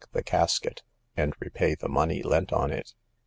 the casket and repay the money lent on it.